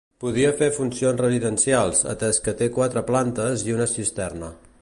Podia fer funcions residencials, atès que té quatre plantes i una cisterna.